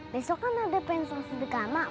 besok kan ada pensil sedekah anak